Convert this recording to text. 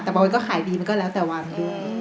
แต่บางวันก็ขายดีมันก็แล้วแต่วัน